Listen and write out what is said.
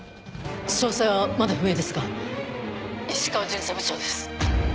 詳細はまだ不明ですが石川巡査部長です。